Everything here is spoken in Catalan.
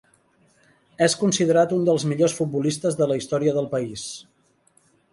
És considerat un dels millors futbolistes de la història del país.